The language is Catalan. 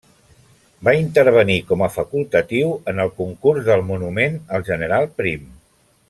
Va intervenir com a facultatiu en el concurs del monument al general Prim.